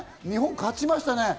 日本勝ちましたね。